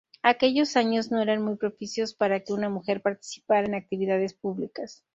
Aquellos años no eran muy propicios para que una mujer participara en actividades públicas.